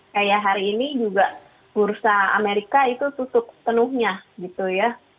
kayak hari ini juga bursa amerika itu tutup penuhnya gitu ya